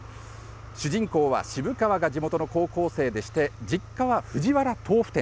主人公は渋川が地元の高校生でして、実家はふじわら豆腐店。